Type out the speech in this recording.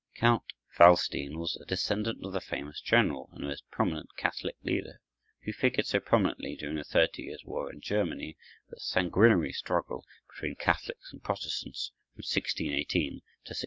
Count Waldstein was a descendant of the famous general and most prominent Catholic leader, who figured so prominently during the thirty years' war in Germany, that sanguinary struggle between Catholics and Protestants, from 1618 to 1648.